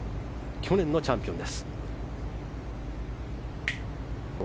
去年のチャンピオンです。